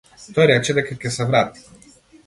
Тој рече дека ќе се врати.